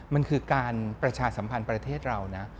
มันคือการประชาสัมพันธ์ประเทศเรานะ